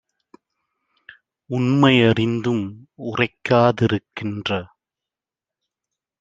உண்மை யறிந்தும் உரைக்கா திருக்கின்ற